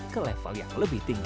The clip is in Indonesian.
ke level yang lebih tinggi